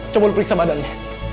coba lu periksa badannya